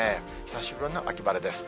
久しぶりの秋晴れです。